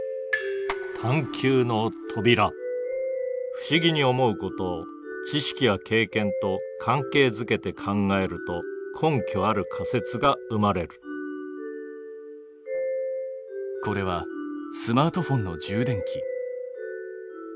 不思議に思うことを知識や経験と関係づけて考えると根拠ある仮説が生まれるこれはスマートフォンの充電器。